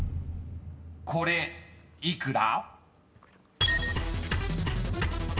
［これ幾ら？］